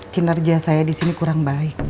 kinerja saya disini kurang baik